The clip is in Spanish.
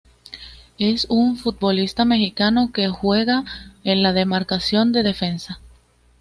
Es un futbolista mexicano que juega en la demarcación de Defensa.